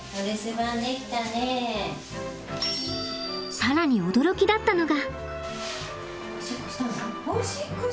更に驚きだったのが。